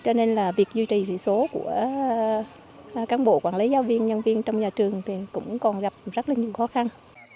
cho nên là việc duy trì sĩ số của cán bộ quản lý giáo viên nhân viên trong nhà trường thì cũng còn gặp rất là nhiều khó khăn